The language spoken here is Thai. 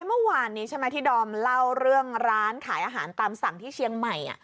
เมื่อวานนี้ใช่ไหมที่ดอมเล่าเรื่องร้านขายอาหารตามสั่งที่เชียงใหม่